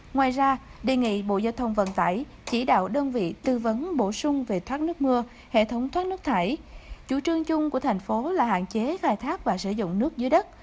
ngoài ra đề nghị bộ giao thông vận tải chỉ đạo đơn vị tư vấn bổ sung về thoát nước mưa hệ thống thoát nước thải